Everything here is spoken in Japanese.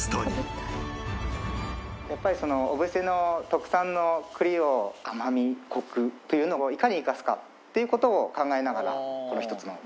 やっぱり小布施の特産の栗を甘みコクというのをいかに生かすかっていう事を考えながら。